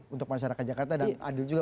untuk masyarakat jakarta dan adil juga